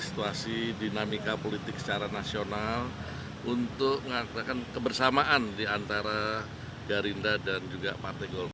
situasi dinamika politik secara nasional untuk mengatakan kebersamaan diantara gerindra dan juga partai golkar